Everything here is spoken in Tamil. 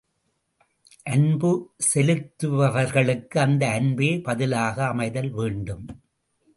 அன்பு செலுத்துபவர்களுக்கு அந்த அன்பே பதிலாக அமைதல் வேண்டும்.